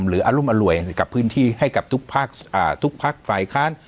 หรืออารมณ์อร่วยกับพื้นที่ให้กับทุกภาคฝ่ายค้าน